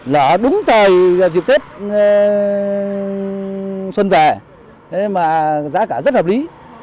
đào đúng thời dịp tết xuân về giá cả rất hợp lý